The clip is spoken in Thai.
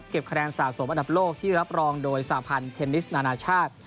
คะแนนสะสมอันดับโลกที่รับรองโดยสาพันธ์เทนนิสนานาชาติ